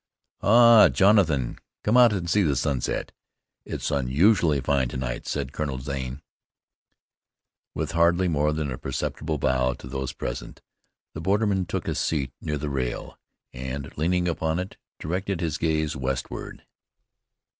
"Ah, Jonathan, come out to see the sunset? It's unusually fine to night," said Colonel Zane. With hardly more than a perceptible bow to those present, the borderman took a seat near the rail, and, leaning upon it, directed his gaze westward.